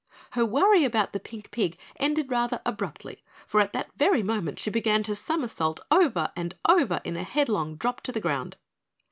Her worry about the pink pig ended rather abruptly, for at that very moment she began to somersault over and over in a headlong drop to the ground.